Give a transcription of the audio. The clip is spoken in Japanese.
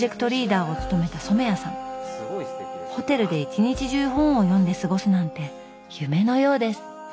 ホテルで一日中本を読んで過ごすなんて夢のようです。